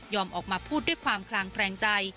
ออกมาพูดด้วยความคลางแคลงใจ